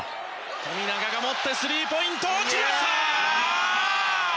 富永が持ってスリーポイント！来た！